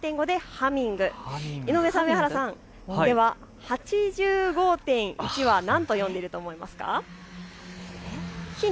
秩父は８３．５でハミング、井上さん、上原さん、では８５．１はなんと読んでいると思いますか。